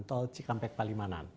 contoh cikampek palimanan